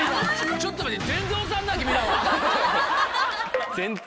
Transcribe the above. ちょっと待って。